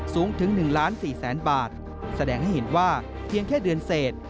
สูงถึง๑ล้าน๔แสนบาทแสดงให้เห็นว่าเพียงแค่เดือนเศษ